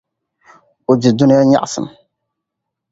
O di dunia nyaɣisim.